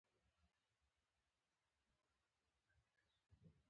ځینې نور د تولیدي ماشین په بڼه وي.